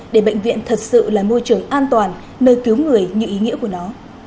để bệnh viện thật sự là môi trường an toàn nơi cứu người như ý nghĩa của nó